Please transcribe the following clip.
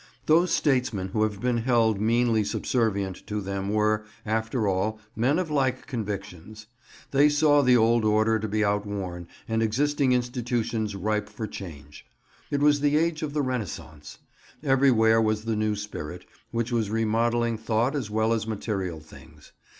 Those statesmen who have been held meanly subservient to them were, after all, men of like convictions. They saw the old order to be outworn and existing institutions ripe for change. It was the age of the Renascence. Everywhere was the new spirit, which was remodelling thought as well as material things.